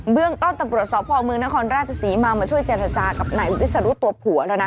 เบื้องต้นตรวจสอบพ่อเมืองนครราชสีมามาช่วยเจรจากับไหนวิสารุตัวผัวแล้วนะ